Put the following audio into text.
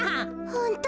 ホント。